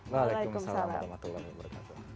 waalaikumsalam warahmatullahi wabarakatuh